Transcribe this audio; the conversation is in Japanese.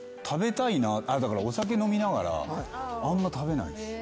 だからお酒飲みながらあんま食べないです。